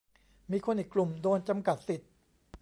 มีคนอีกกลุ่มโดนจำกัดสิทธิ์